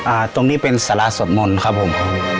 ตรงนี้เป็นสาราสวดมนต์ครับผม